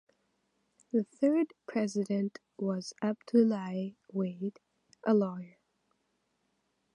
The third president was Abdoulaye Wade, a lawyer.